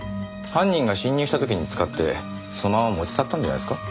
犯人が侵入した時に使ってそのまま持ち去ったんじゃないですか？